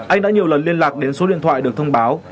anh đã nhiều lần liên lạc đến số điện thoại được thông báo